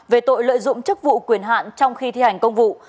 về tội lợi dụng chức vụ quyền hạn trong khi thi hành công vụ